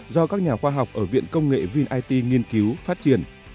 do các nhà khoa học ở viện công nghệ vinit nghiên cứu phát triển